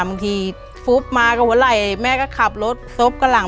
บางทีฟุ๊บมากับหัวไหล่แม่ก็ขับรถซบกับหลัง